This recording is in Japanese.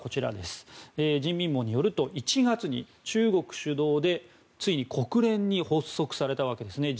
人民網によると１月に中国主導で、ついに国連に発足されたわけです。